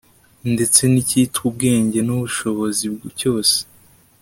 ndetse n'icyitwa ubwenge n'ubushobozi cyose